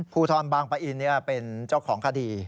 ภูทรบางปะอินเป็นเจ้าของคดี